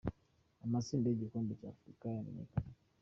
Amatsinda yigikombe cya afurica yamenyekanye